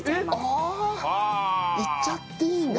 あ！いっちゃっていいんだ。